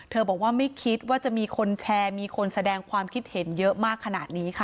บอกว่าไม่คิดว่าจะมีคนแชร์มีคนแสดงความคิดเห็นเยอะมากขนาดนี้ค่ะ